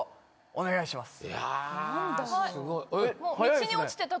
・お願いします